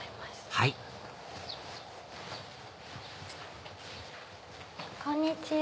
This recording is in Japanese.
はいこんにちは。